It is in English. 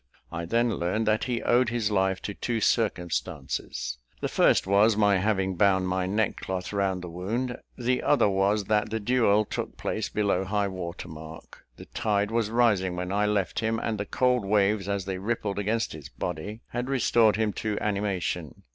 I then learned that he owed his life to two circumstances the first was, my having bound my neckcloth round the wound; the other was, that the duel took place below high water mark. The tide was rising when I left him; and the cold waves, as they rippled against his body, had restored him to animation.